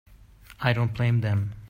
I don't blame them.